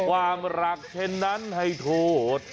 ความรักเช่นนั้นให้โทษ